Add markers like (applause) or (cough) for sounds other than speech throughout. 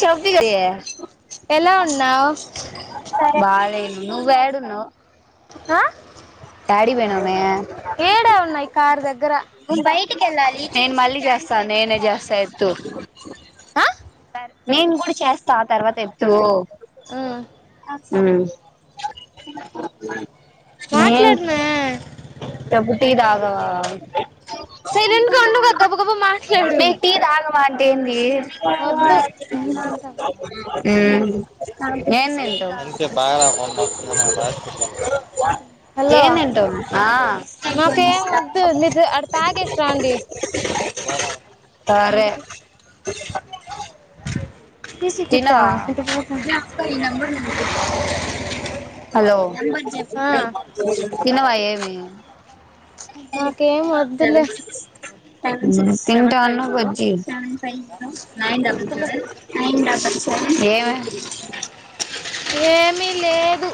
చెప్పిగా ఏ ఎలా ఉన్నావు బాధ ఏంటి నువ్ యాడున్నవ్ ఆ యాటివేనవ్ మే ఏడా ఉన్నాయి కారు దగ్గర నేన్ బయటికెళ్లాలి నేన్ మల్లీ జేస్త నేనే జేస్త ఎత్తు ఆ నేను కూడా చేస్తా ఆ తర్వాత ఎత్తూ ఆ హ్మ్ మాట్లాడనా డబ్బు టీ తాగవా సైలెంట్ గా ఉండవుగా గబ గబ మాట్లాడు మే టీ తాగవా అంటే ఏంది హ్మ్ వద్దు నువ్వు తింటావా తిందురా. ఏం తింటవ్ మ (unintelligible) ఏం తింటవ్ ఆ నాకేం ఒద్దు మీదు ఆడ తాగేసి రాండి బాగా సరే తీసుకిట్టా తినవా ఇటు పోతా. హలో ఆ, తినవా ఏమీ హ్మ్ నాకేం వద్దులే తింటవన్న బజ్జి వద్దులే ఏమి ఏమీ లేదు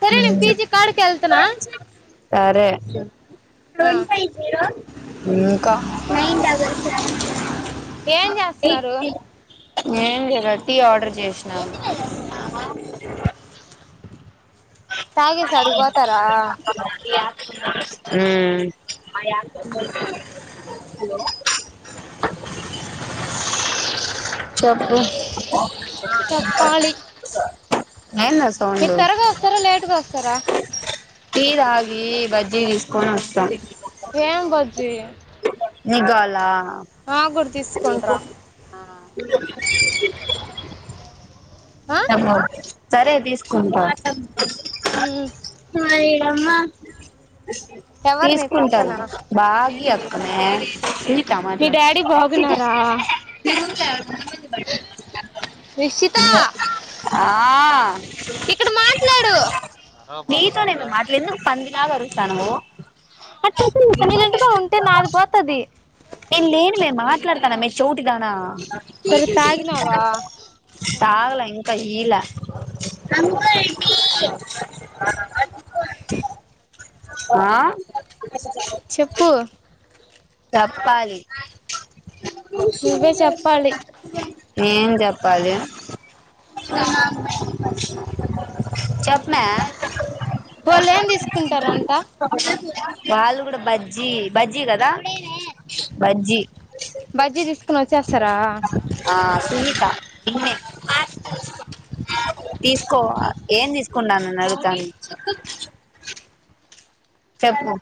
సరే నేను పీజీ సిక్స్ కాడికెళ్తున సరే సెవెన్ ఫైవ్ జీరో హ్మ్ ఇంక నైన్ డబల్ సెవెన్ ఏం ఎయిట్ జేస్తున్నారు త్రీ ఏం లేద టీ ఆర్డర్ చేసినాము తాగేసి ఆడిగి పోతరా హ్మ్ హలో చెప్పు చెప్పాలి ఏందా మీరు సౌండు త్వరగా వస్తారా లేట్గా వస్తారా టీ తాగి బజ్జీ తీసుకొనొస్తా ఏమ్ బజ్జీ నీగ్ గావల్లా ఇంగ ప్పో తీసుకుంట్రా ఆ సమోస్ సరే తీసుకుంటా యమ్మా ఎవరు నీ పక్కన తీసుకుంటాను బాగీ అ ఏ ఇవి మీ టమాట్లు (inaudible) డాడీ బాగున్నారా రిషితా ఆ ఇక్కడ మాట్లాడు నీతోనే నేమే మాట్లేది ఎందుకు పందిలాగ అరుస్తానావు అట్టుంటుంది సైలెంట్ గా ఉంటే నాది బోతది సరే తాగినావా తాగలే ఇంకా ఈలే (inaudible) (inaudible) ఆ చెప్పూ చెప్పాలి నువ్వే చెప్పాలి ఏం జెప్పాలి (inaudible) చెప్ప్మా వాళ్ళు ఏం తీసుకుంటారంట (inaudible) వాళ్ళు గూడా బజ్జి బజ్జీ గదా బజ్జి బజ్జీ దీసుకొని వచ్చేస్తారా మే హాస్టల్ తీసుకో ఏం దీసుకుంటానని అడుగుతాంది చెప్పు